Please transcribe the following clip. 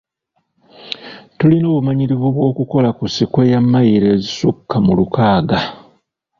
Tulina obumanyirivu bw’okukola ku sikweya mmayiro ezisukka mu lukaaga.